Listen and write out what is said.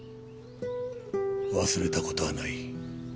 忘れた事はない。